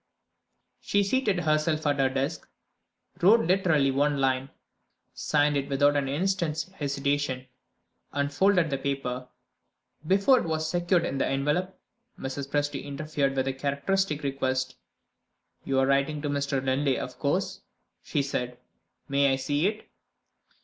She seated herself at her desk; wrote literally one line; signed it without an instant's hesitation, and folded the paper. Before it was secured in the envelope, Mrs. Presty interfered with a characteristic request. "You are writing to Mr. Linley, of course," she said. "May I see it?"